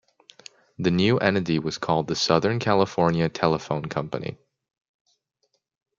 The new entity was called The Southern California Telephone C.